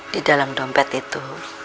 di dalam dompet itu